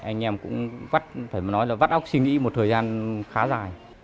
anh em cũng vắt phải mà nói là vắt óc suy nghĩ một thời gian khá dài